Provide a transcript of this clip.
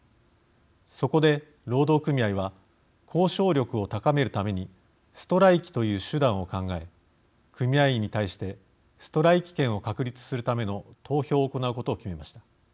そこで、労働組合は交渉力を高めるためにストライキという手段を考え組合員に対してストライキ権を確立するための投票を行うことを決めました。